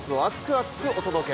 厚く！お届け！